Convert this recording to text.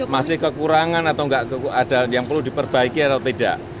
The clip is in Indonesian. masih kekurangan atau enggak ada yang perlu diperbaiki atau tidak